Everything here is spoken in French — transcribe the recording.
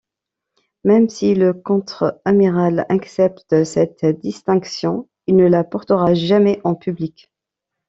Même si le contre-amiral accepte cette distinction, il ne la portera jamais en public.